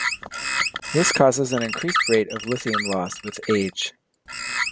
This causes an increased rate of lithium loss with age.